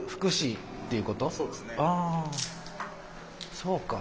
そうか。